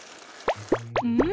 うん